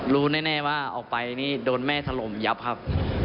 รู้แน่ว่าออกไปนี่โดนแม่ถล่มยับครับ